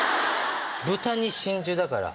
「豚に真珠」だから。